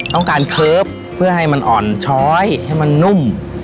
ต้องการเคิร์ฟเพื่อให้มันอ่อนช้อยให้มันนุ่ม